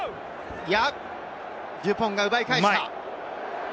いや、デュポンが奪い返した。